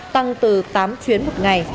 tăng từ tám chuyến một ngày